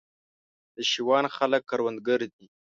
د شېوان خلک کروندګر دي